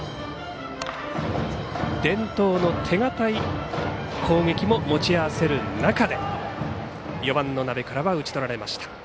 伝統の手堅い攻撃も持ち合わせる中で４番の鍋倉は打ち取られました。